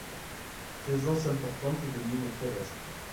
Présence importante de mines terrestres.